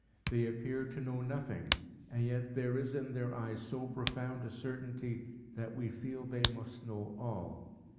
They appear to know nothing, and yet there is in their eyes so profound a certainty that we feel they must know all.